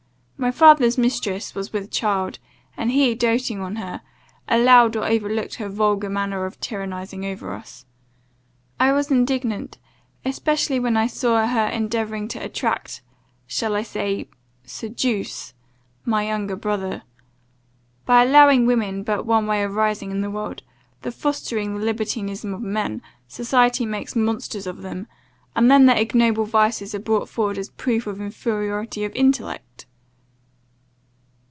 My father's mistress was with child, and he, doating on her, allowed or overlooked her vulgar manner of tyrannizing over us. I was indignant, especially when I saw her endeavouring to attract, shall I say seduce? my younger brother. By allowing women but one way of rising in the world, the fostering the libertinism of men, society makes monsters of them, and then their ignoble vices are brought forward as a proof of inferiority of intellect.